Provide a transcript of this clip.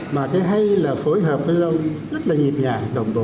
mà cái hay là phối hợp với nhau rất là nhịp nhàng đồng độ